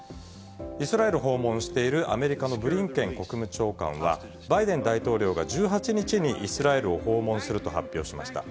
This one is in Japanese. イスラエルを訪問しているアメリカのブリンケン国務長官は、バイデン大統領が１８日にイスラエルを訪問すると発表しました。